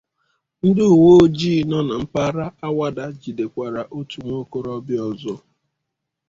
ndị uwe ojii nọ na mpaghara Awada jidekwàrà otu nwaokorobịa ọzọ